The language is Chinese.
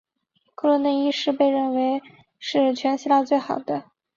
克罗顿的医师被认为是全希腊最好的。